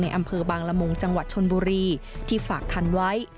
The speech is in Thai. อำเภอบางละมุงจังหวัดชนบุรีที่ฝากคันไว้